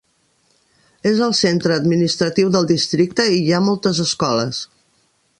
És el centre administratiu del districte i hi ha moltes escoles.